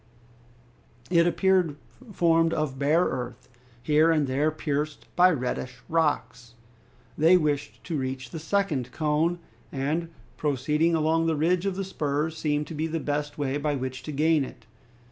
It appeared formed of bare earth, here and there pierced by reddish rocks. They wished to reach the second cone, and proceeding along the ridge of the spurs seemed to be the best way by which to gain it.